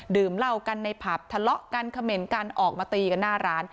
ดื่มเหลวกันในผับทะเลาะกันคำเม้นออกมาตีกันหน้าร้าน